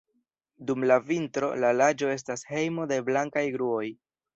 Dum la vintro, la lago estas hejmo de blankaj gruoj.